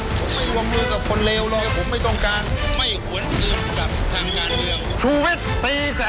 ผมไม่วงมือกับคนเลวหรอกผมไม่ต้องการ